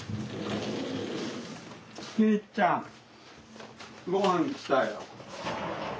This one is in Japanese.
圭ちゃんごはん来たよ。